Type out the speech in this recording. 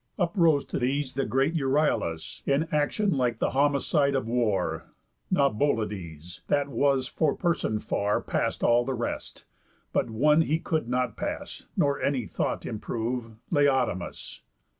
Up rose to these the great Euryalus, In action like the Homicide of War. Naubolides, that was for person far Past all the rest, but one he could not pass, Nor any thought improve, Laodamas.